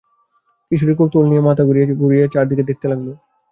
কিশোরীর কৌতূহল নিয়ে মাথা ঘুরিয়ে ঘুরিয়ে চারদিকে দেখতে লাগল।